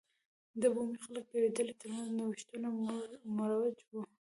د بومي خلکو د یوې ډلې ترمنځ نوښتونه مروج و.